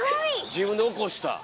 自分で起こした！